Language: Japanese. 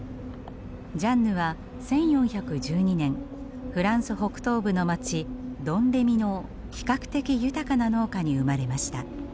ジャンヌは１４１２年フランス北東部の街ドンレミの比較的豊かな農家に生まれました。